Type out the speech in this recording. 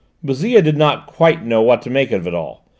Bouzille did not quite know what to make of it all.